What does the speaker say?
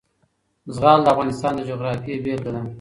زغال د افغانستان د جغرافیې بېلګه ده.